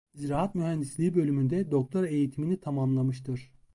Ziraat mühendisliği bölümünde doktora eğitimini tamamlamıştır.